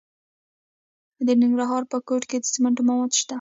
د ننګرهار په کوټ کې د سمنټو مواد شته.